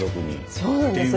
そうなんです。